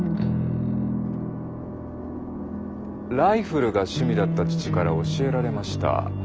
ライフルが趣味だった父から教えられました。